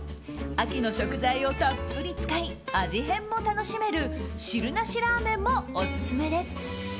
秋の食材をたっぷり使い味変も楽しめる汁なしラーメンもオススメです。